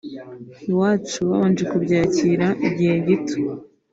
Iwacu babanje kubyakira igihe gito